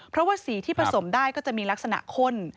เพราะว่าสีที่ผสมได้ก็จะมีลักษณะข้น